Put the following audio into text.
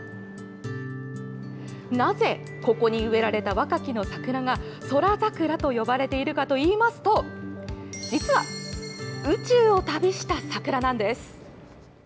なぜ、ここに植えられたワカキノサクラが宇宙桜と呼ばれているかといいますと実は、宇宙を旅した桜なんです！